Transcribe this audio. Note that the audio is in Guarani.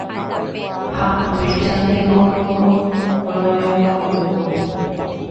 Ha péichante niko roñomoirũkuri.